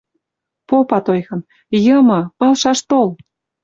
Попат ойхын: «Йымы, палшаш тол».